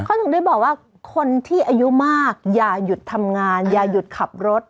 เขาถึงได้บอกว่าคนที่อายุมากอย่าหยุดทำงานอย่าหยุดขับรถ